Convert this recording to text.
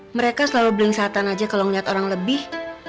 mereka selalu blingsatan aja kalo ngeliat orang lebih